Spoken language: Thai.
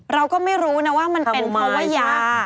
เราก็ไม่รู้นะว่ามันเป็นเพราะว่ายา